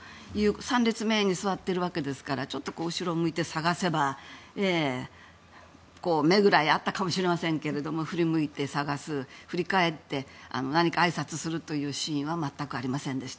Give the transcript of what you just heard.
３列目に座ってるわけですから後ろを向いて探せば目ぐらい合ったかもしれませんが振り返って何かあいさつするというシーンは全くありませんでした。